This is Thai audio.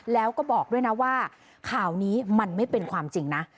แล้วก็บอกด้วยนะว่าข่าวนี้มันไม่เป็นความจริงนะ